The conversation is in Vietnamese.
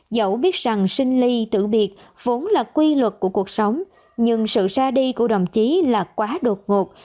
dẫu biết rằng sinh ly tự biệt vốn là quy luật của cuộc sống nhưng sự ra đi của đồng chí là quá đột ngột